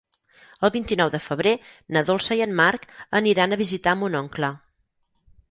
El vint-i-nou de febrer na Dolça i en Marc aniran a visitar mon oncle.